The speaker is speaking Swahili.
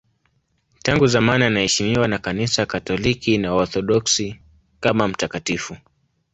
Tangu zamani anaheshimiwa na Kanisa Katoliki na Waorthodoksi kama mtakatifu.